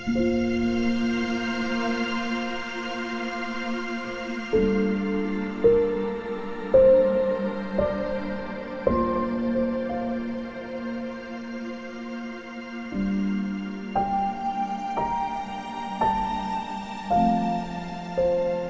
semoga tuhan selalu menjaganya